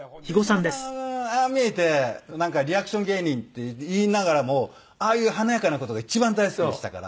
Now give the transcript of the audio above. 上島さんああ見えてリアクション芸人っていいながらもああいう華やかな事が一番大好きでしたから。